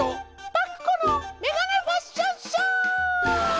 パクこのめがねファッションショー！